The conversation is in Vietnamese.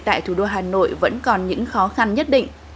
tại thủ đô hà nội vẫn còn những khó khăn nhất định